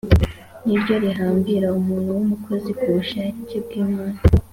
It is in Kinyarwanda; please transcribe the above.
ni ryo rihambira umuntu w’umukozi ku bushake bw’imana